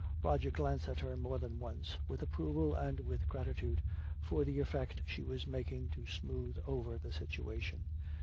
Roger glanced at her more than once, with approval and with gratitude for the effort she was making to smooth over the situation.